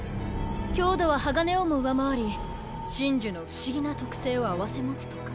強度は鋼をも上回り神樹の不思議な特性を併せ持つとか。